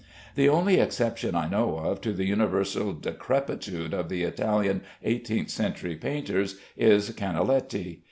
The only exception I know of to the universal decrepitude of the Italian eighteenth century painters is Canaletti.